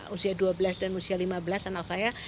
usia dua belas dan usia lima belas anak saya